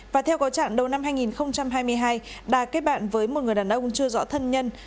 và theo có trạng đầu năm hai nghìn hai mươi hai đà kết bạn với một người đàn ông chưa rõ thân nhân